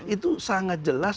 itu sangat jelas